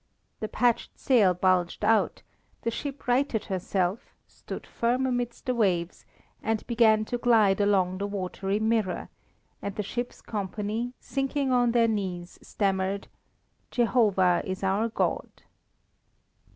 The patched sail bulged out, the ship righted herself, stood firm amidst the waves, and began to glide along the watery mirror, and the ship's company, sinking on their knees, stammered: "Jehovah is our God."